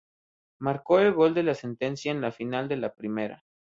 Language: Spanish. Marcó el gol de la sentencia en la final de la primera.